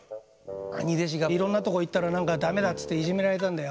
兄弟子がいろんなとこ行ったら何か駄目だっつっていじめられたんだよ。